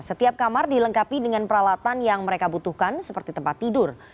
setiap kamar dilengkapi dengan peralatan yang mereka butuhkan seperti tempat tidur